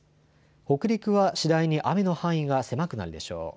北陸は次第に雨の範囲が狭くなるでしょう。